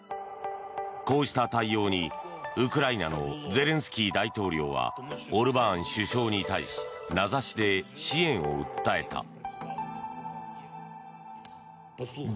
こうした対応に、ウクライナのゼレンスキー大統領はオルバーン首相に対し名指しで支援を訴えた。